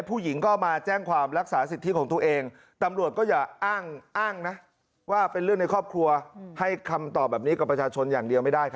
ผู้หญิงก็มาแจ้งความรักษาสิทธิของทุกเอง